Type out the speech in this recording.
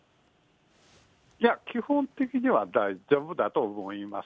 いや、基本的には大丈夫だと思います。